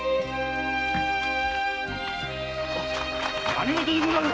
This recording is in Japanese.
何事でござる⁉